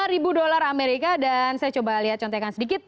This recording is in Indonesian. lima ribu dolar amerika dan saya coba lihat contohkan sedikit